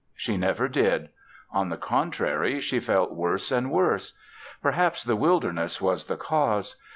She never did; on the contrary she felt worse and worse. Perhaps the wilderness was the cause.